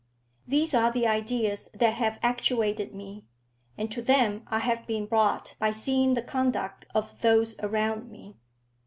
These are the ideas that have actuated me, and to them I have been brought by seeing the conduct of those around me.